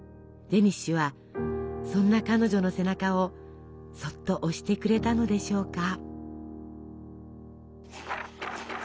デニッシュはそんな彼女の背中をそっと押してくれたのでしょうか。